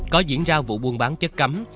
có diễn ra vụ buôn bán chất cấm